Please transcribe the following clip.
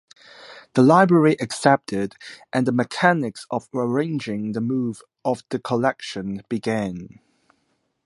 The library accepted and the mechanics of arranging the move of the collection began.